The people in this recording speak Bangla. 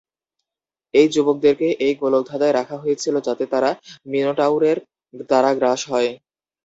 এই যুবকদেরকে এই গোলকধাঁধায় রাখা হয়েছিল যাতে তারা মিনোটাউরের দ্বারা গ্রাস হয়।